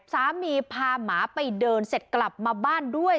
สามีพาหมาไปเดินเสร็จกลับมาบ้านด้วย